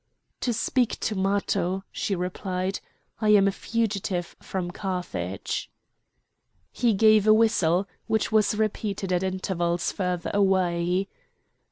"To speak to Matho," she replied. "I am a fugitive from Carthage." He gave a whistle, which was repeated at intervals further away.